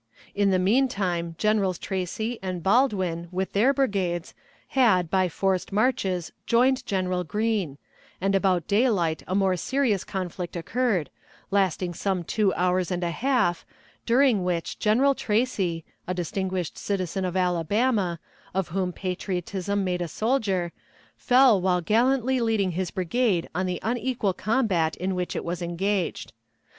In the mean time Generals Tracy and Baldwin, with their brigades, had by forced marches joined General Green, and about daylight a more serious conflict occurred, lasting some two hours and a half, during which General Tracy, a distinguished citizen of Alabama, of whom patriotism made a soldier, fell while gallantly leading his brigade in the unequal combat in which it was engaged.